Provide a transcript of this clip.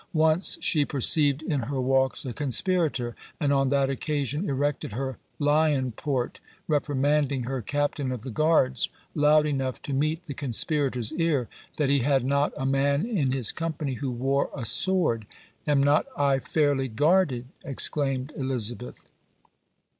Once she perceived in her walks a conspirator; and on that occasion erected her "lion port," reprimanding her captain of the guards, loud enough to meet the conspirator's ear, that "he had not a man in his company who wore a sword." "Am not I fairly guarded?" exclaimed Elizabeth.